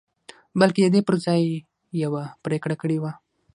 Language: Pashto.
بلکې د دې پر ځای يې يوه پرېکړه کړې وه.